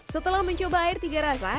setelah mencoba air tiga rasa